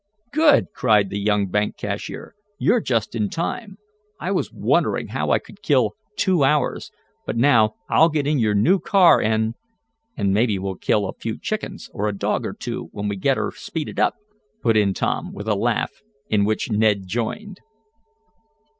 "Good!" cried the young bank cashier. "You're just in time. I was wondering how I could kill two hours, but now I'll get in your new car and " "And maybe we'll kill a few chickens, or a dog or two when we get her speeded up," put in Tom, with a laugh in which Ned joined.